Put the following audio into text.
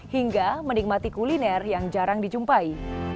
hingga menikmati kuliner yang jarang dijumpai